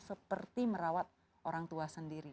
seperti merawat orang tua sendiri